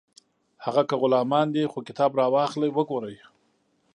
هغه که غلامان دي خو کتاب راواخلئ وګورئ